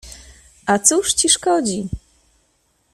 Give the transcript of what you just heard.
— A cóż ci to szkodzi?